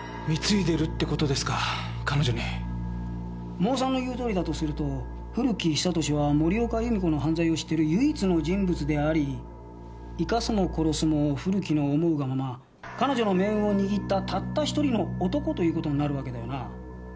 モーさんの言うとおりだとすると古木久俊は森岡弓子の犯罪を知ってる唯一の人物であり生かすも殺すも古木の思うがまま彼女の命運を握ったたった１人の男という事になるわけだよな。